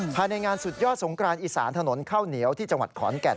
ภายในงานสุดยอดสงกรานอีสานถนนข้าวเหนียวที่จังหวัดขอนแก่น